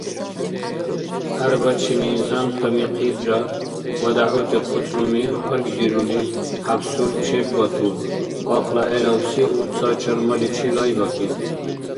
ГӀярбачини, занта михъира ва дягӀути хъуцӀруми гьаргдирули, хӀябсур чеббатур, къакъла гӀелабси урца чармаличи лайбакӀиб.